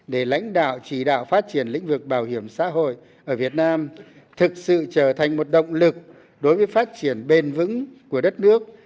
để lãnh đạo chỉ đạo phát triển lĩnh vực bảo hiểm xã hội ở việt nam thực sự trở thành một động lực đối với phát triển bền vững của đất nước